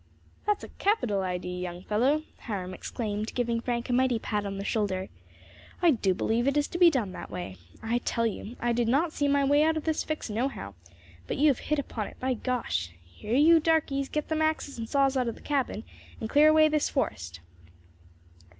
"That's a capital idee, young fellow," Hiram exclaimed, giving Frank a mighty pat on the shoulder. "I do believe it is to be done that way. I tell you, I did not see my way out of this fix nohow, but you have hit upon it, by gosh! Here, you darkies, get them axes and saws out of the cabin, and clear away this forest."